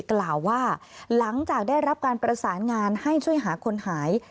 กล่าวว่าหลังจากได้รับการประสานงานให้ช่วยหาคนหาย